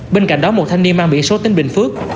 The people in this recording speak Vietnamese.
bên cạnh đó một thanh niên mang biển số tỉnh bình phước